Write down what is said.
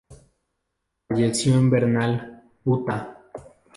Falleció en Vernal, Utah.